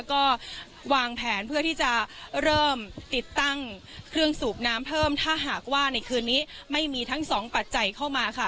ก็วางแผนเพื่อที่จะเริ่มติดตั้งเครื่องสูบน้ำเพิ่มถ้าหากว่าในคืนนี้ไม่มีทั้งสองปัจจัยเข้ามาค่ะ